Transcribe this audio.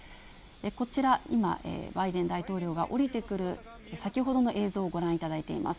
こちら今、バイデン大統領が下りてくる、先ほどの映像をご覧いただいています。